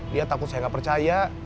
dia takut saya nggak percaya